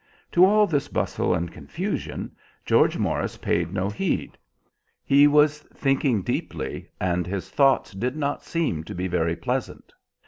To all this bustle and confusion George Morris paid no heed. He was thinking deeply, and his thoughts did not seem to be very pleasant.